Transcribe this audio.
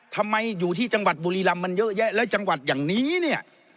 อยู่ที่จังหวัดบุรีรำมันเยอะแยะแล้วจังหวัดอย่างนี้เนี่ย